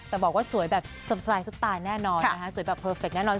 แต่บอกว่าสวยแบบสับสายสุดตาแน่นอนสวยแบบเพอร์เฟคแน่นอน